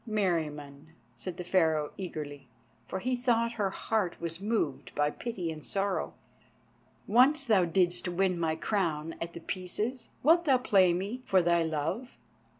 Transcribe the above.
"Meriamun," said the Pharaoh eagerly, for he thought her heart was moved by pity and sorrow, "once thou didst win my crown at the Pieces, wilt thou play me for thy love?"